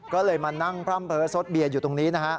ก็เลยมานั่งพร่ำเผลอซดเบียอยู่ตรงนี้